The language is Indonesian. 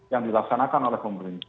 yang dilaksanakan oleh pemerintah